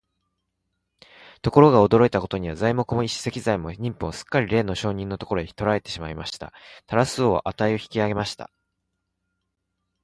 ところが、驚いたことには、材木も石材も人夫もすっかりれいの商人のところへ取られてしまいました。タラス王は価を引き上げました。